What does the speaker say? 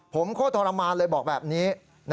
ผมโคตรทรมานเลยบอกแบบนี้